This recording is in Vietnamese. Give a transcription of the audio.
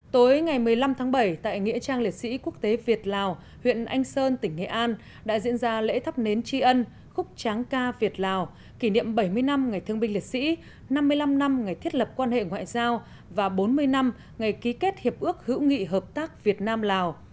tối ngày một mươi năm tháng bảy tại nghĩa trang liệt sĩ quốc tế việt lào huyện anh sơn tỉnh nghệ an đã diễn ra lễ thắp nến tri ân khúc tráng ca việt lào kỷ niệm bảy mươi năm ngày thương binh liệt sĩ năm mươi năm năm ngày thiết lập quan hệ ngoại giao và bốn mươi năm ngày ký kết hiệp ước hữu nghị hợp tác việt nam lào